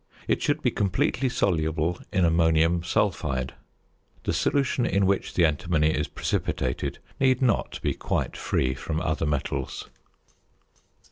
It should be completely soluble in ammonium sulphide. The solution in which the antimony is precipitated need not be quite free from other metals.